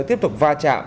tiếp tục va chạm